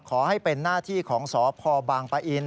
ขอให้เป็นหน้าที่ของสพปอินทร์